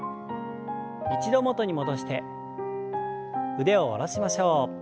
一度元に戻して腕を下ろしましょう。